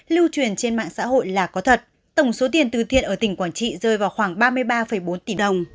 lưu truyền trên mạng xã hội là có thật tổng số tiền từ thiện ở tỉnh quảng trị rơi vào khoảng ba mươi ba bốn tỷ đồng